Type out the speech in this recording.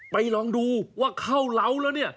ลองดูว่าเข้าเล้าแล้วเนี่ย